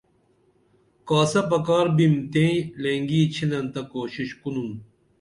کاسہ پکار بِم تئیں لینگی چِنن تہ کوشش کُنُن